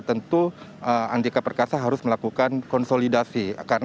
tentu andika perkasa harus melakukan konsolidasi